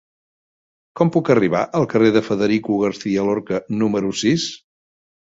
Com puc arribar al carrer de Federico García Lorca número sis?